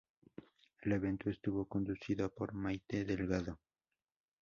El evento estuvo conducido por Maite Delgado.